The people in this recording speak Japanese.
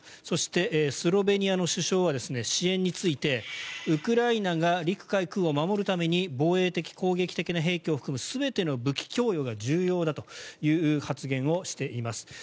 そしれ、スロベニアの首相は支援についてウクライナが陸海空を守るために防衛的・攻撃的な兵器を含む全ての武器供与が重要だという発言をしています。